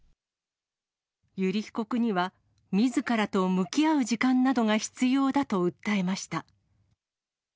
油利被告には、みずからと向き合う時間などが必要だと訴えました。